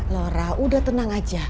laura udah tenang aja